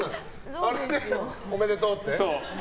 おめでとうって？